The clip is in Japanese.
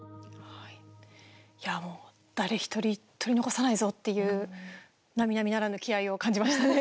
「誰１人取り残さないぞ」っていうなみなみならぬ気合いを感じましたね。